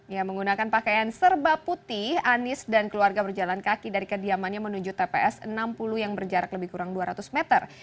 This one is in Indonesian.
ya menggunakan pakaian serba putih anies dan keluarga berjalan kaki dari kediamannya menuju tps enam puluh yang berjarak lebih kurang dua ratus meter